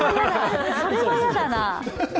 それは嫌だな。